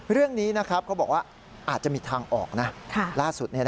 เรื่องนี้เขาบอกว่าอาจจะมีทางออกนะล่าสุด